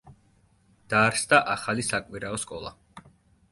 დაარსდა ახალი საკვირაო სკოლა.